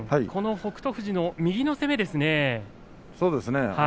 北勝富士の右の攻めですね。